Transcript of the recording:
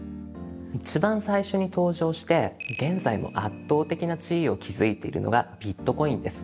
一番最初に登場して現在も圧倒的な地位を築いているのがビットコインです。